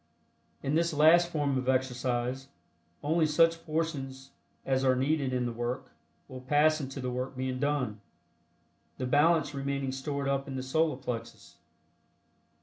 In this last form of exercise, only such portions as are needed in the work will pass into the work being done, the balance remaining stored up in the Solar Plexus.